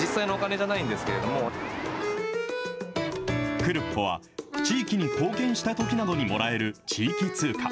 クルッポは、地域に貢献したときなどにもらえる地域通貨。